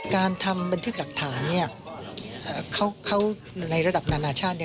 การทำบันทึกหลักฐานในระดับนานาชาติ